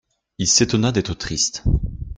Il s'étonna d'être triste.